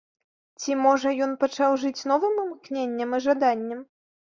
Ці, можа, ён пачаў жыць новым імкненнем і жаданнем?